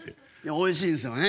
おいしいんすよね。